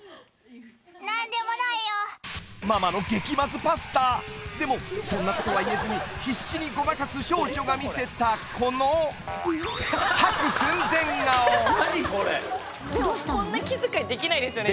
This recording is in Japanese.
ママの激マズパスタでもそんなことは言えずに必死にごまかす少女が見せたこの何これでもこんな気遣いできないですよね